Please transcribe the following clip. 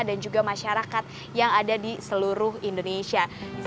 dan juga masyarakat yang ada di seluruh indonesia